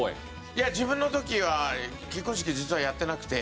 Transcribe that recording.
いや自分の時は結婚式実はやってなくて。